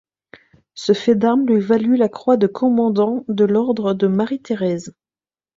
Ce fait d'armes lui valut la croix de commandant de l'ordre de Marie-Thérèse.